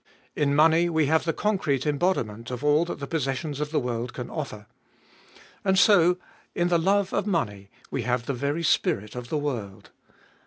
In money we have the concrete embodiment of all that the possessions of the world can offer. And so in the love of money we have the very spirit of the world.